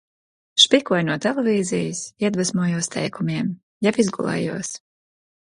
Špikoju no televīzijas, iedvesmojos teikumiem. Jau izgulējos.